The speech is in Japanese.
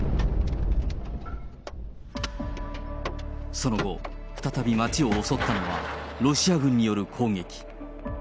その後、再び町を襲ったのはロシア軍による攻撃。